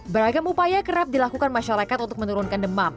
beragam upaya kerap dilakukan masyarakat untuk menurunkan demam